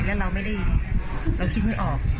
แล้วเราไม่ได้เราคิดไม่ออก